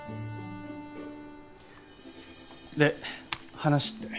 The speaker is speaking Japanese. で話って？